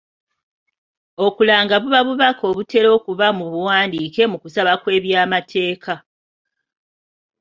Okulanga buba bubaka obutera okuba mu buwandiike mu kusaba kw'ebyamateeka.